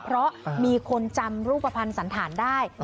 เพราะมีคนจำรูปภัณฑ์สันฐานได้